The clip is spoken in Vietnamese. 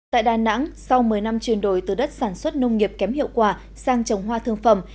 tại đà nẵng sau một mươi năm chuyển đổi từ đất sản xuất nông nghiệp kém hiệu quả sang trồng hoa thương phẩm